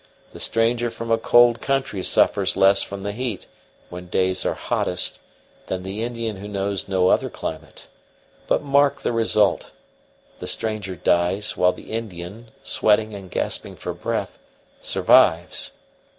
"The stranger from a cold country suffers less from the heat, when days are hottest, than the Indian who knows no other climate. But mark the result! The stranger dies, while the Indian, sweating and gasping for breath, survives.